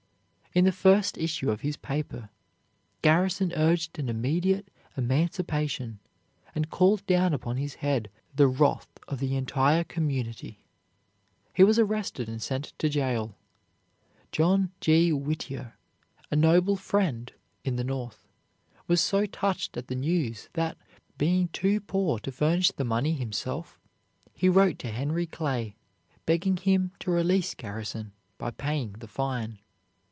In the first issue of his paper, Garrison urged an immediate emancipation, and called down upon his head the wrath of the entire community. He was arrested and sent to jail. John G. Whittier, a noble friend in the North, was so touched at the news that, being too poor to furnish the money himself, he wrote to Henry Clay, begging him to release Garrison by paying the fine.